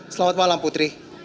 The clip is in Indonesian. selamat malam putri